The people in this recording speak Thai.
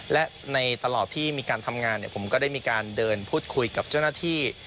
และในตลอดที่มีการทำงานผมก็ได้มีการเดินพูดคุยกับเจ้าหน้าที่